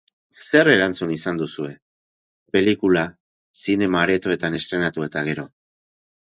Zer erantzun izan duzue pelikula zinema-aretoetan estreinatu eta gero?